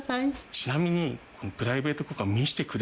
ちなみに。